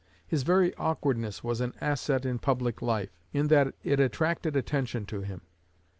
His very awkwardness was an asset in public life, in that it attracted attention to him.